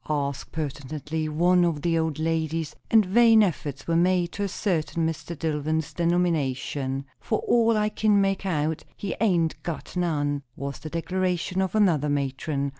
asked pertinently one of the old ladies; and vain efforts were made to ascertain Mr. Dillwyn's denomination. "For all I kin make out, he hain't got none," was the declaration of another matron.